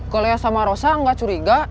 kalau ya sama rosa gak curiga